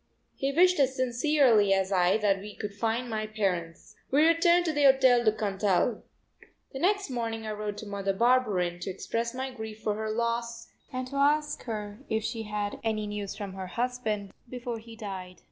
He wished as sincerely as I that we could find my parents. We returned to the Hotel du Cantal. The next morning I wrote to Mother Barberin to express my grief for her loss and to ask her if she had had any news from her husband before he died.